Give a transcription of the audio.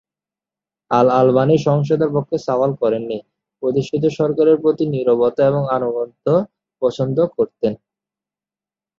আল-আলবানী সহিংসতার পক্ষে সওয়াল করেননি, প্রতিষ্ঠিত সরকারের প্রতি নীরবতা এবং আনুগত্য পছন্দ করতেন।